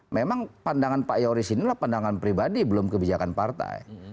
memang pandangan pak yoris inilah pandangan pribadi belum kebijakan partai